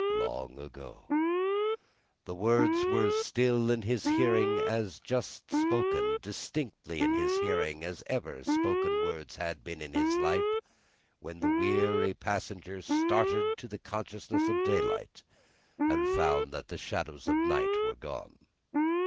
"Long ago." The words were still in his hearing as just spoken distinctly in his hearing as ever spoken words had been in his life when the weary passenger started to the consciousness of daylight, and found that the shadows of the night were gone.